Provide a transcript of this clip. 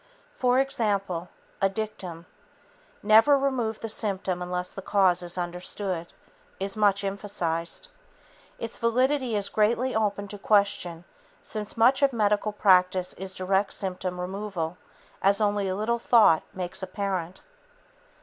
For example, a dictum, 'Never remove the symptom unless the cause is understood,' is much emphasized. Its validity is greatly open to question, since much of medical practice is direct symptom removal, as only a little thought makes apparent.